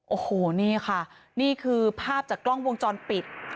โอ้โหนี่ค่ะนี่คือภาพจากกล้องวงจรปิด